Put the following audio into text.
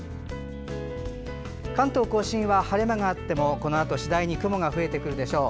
関東・甲信は晴れ間があってもこのあと次第に雲が増えてくるでしょう。